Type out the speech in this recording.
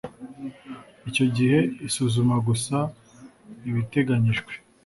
icyo gihe isuzuma gusa ibiteganyijwe